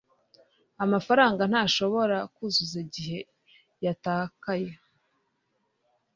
amafaranga ntashobora kuzuza igihe yatakaye